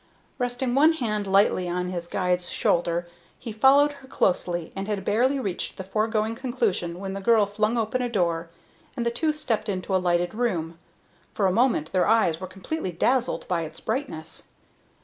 Resting one hand lightly on his guide's shoulder, he followed her closely, and had barely reached the foregoing conclusion when the girl flung open a door, and the two stepped into a lighted room. For a moment their eyes were completely dazzled by its brightness.